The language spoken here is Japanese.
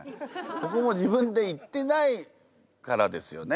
ここも自分で行ってないからですよね。